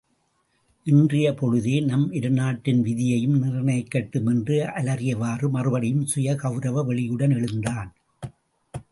இன்றைய பொழுதே நம் இருநாட்டின் விதியையும் நிர்ணயிக்கட்டும்! என்று அலறியவாறு, மறுபடியும் சுயகெளரவ வெளியுடன் எழுந்தான்.